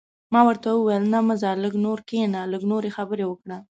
ما ورته وویل: نه، مه ځه، لږ نور کښېنه، لږ نورې خبرې وکړه.